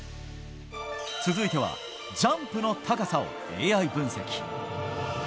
続いてはジャンプの高さをＡＩ分析。